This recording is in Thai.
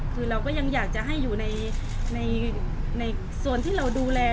คือเราก็ยังอยากจะให้อยู่ในส่วนที่เราดูแล